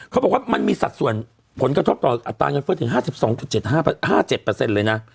เขาบอกว่ามันมีสัดส่วนผลกระทบต่ออัตราเงินเฟ้อถึง๕๒๗๕๗เลยนะ